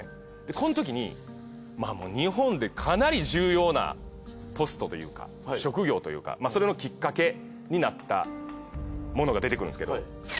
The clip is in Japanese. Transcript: このときに日本でかなり重要なポストというか職業というかそれのきっかけになったものが出てくるんですけど。